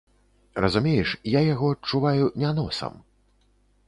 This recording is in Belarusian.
Разумееш, я яго адчуваю не носам.